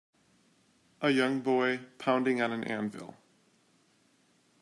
A young boy pounding on an anvil.